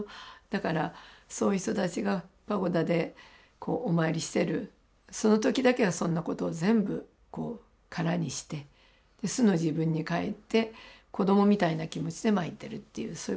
だからそういう人たちがパゴダでお参りしてるその時だけはそんなことを全部空にして素の自分に返って子供みたいな気持ちで参ってるっていうそういうことですね。